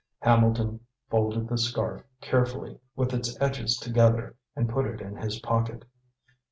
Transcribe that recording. Hambleton folded the scarf carefully, with its edges together, and put it in his pocket.